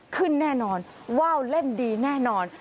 ขึ้นแน่นอนว่าวเล่นดีแน่นอน